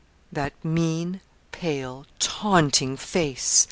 That mean, pale, taunting face!